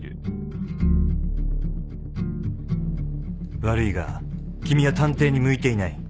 悪いが君は探偵に向いていない。